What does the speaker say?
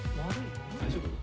大丈夫？